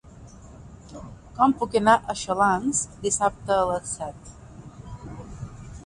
Com puc anar a Xalans dissabte a les set?